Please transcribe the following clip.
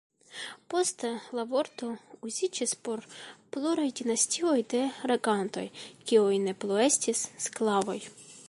Poste la vorto uziĝis por pluraj dinastioj de regantoj, kiuj ne plu estis sklavoj.